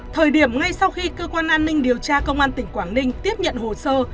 thời điểm ngay sau khi cơ quan an ninh điều tra công an tp hcm tiếp nhận hồ sơ